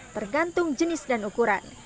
tergantung jenis dan ukuran